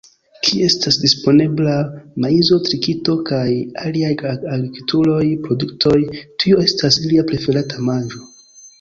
Kie estas disponebla, maizo, tritiko kaj aliaj agrikulturaj produktoj, tio estas ilia preferata manĝo.